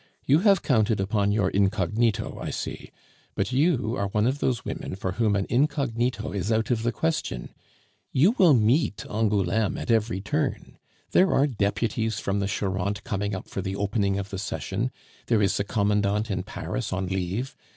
You have counted upon your incognito, I see, but you are one of those women for whom an incognito is out of the question. You will meet Angouleme at every turn. There are the deputies from the Charente coming up for the opening of the session; there is the Commandant in Paris on leave.